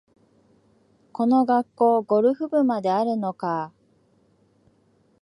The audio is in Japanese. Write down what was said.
この学校、ゴルフ部まであるのかあ